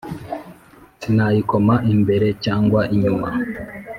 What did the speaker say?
Sinayikoma imberecyangwa inyuma